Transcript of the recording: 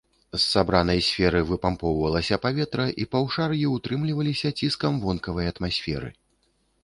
З сабранай сферы выпампоўвалася паветра, і паўшар'і ўтрымліваліся ціскам вонкавай атмасферы.